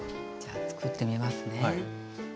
じゃあつくってみますね。